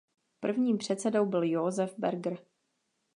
Prvním předsedou byl Józef Berger.